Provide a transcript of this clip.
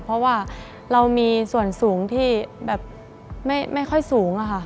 เพราะว่าเรามีส่วนสูงที่แบบไม่ค่อยสูงค่ะ